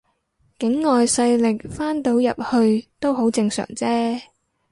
境外勢力翻到入去都好正常啫